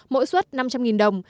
mỗi suất năm trăm linh đồng